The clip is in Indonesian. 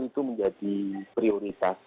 itu menjadi prioritas